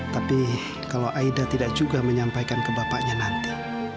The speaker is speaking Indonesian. tapi kalau aida tidak juga menyampaikan ke bapaknya nanti